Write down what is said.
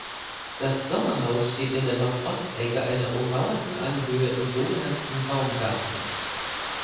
Das Sommerhaus steht in der Nordostecke einer ummauerten Anhöhe im sogenannten Baumgarten.